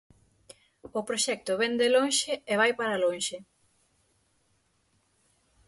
O proxecto vén de lonxe e vai para lonxe.